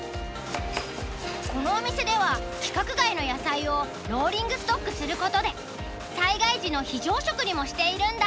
このお店では規格外の野菜をローリングストックすることで災害時の非常食にもしているんだ。